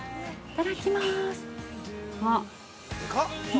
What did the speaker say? いただきます。